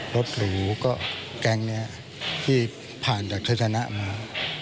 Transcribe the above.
รถหรูก็แก๊งนี้ที่ผ่านจากทัศนะมา